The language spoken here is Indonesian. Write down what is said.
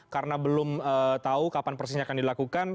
karena belum tahu kapan persisnya akan dilakukan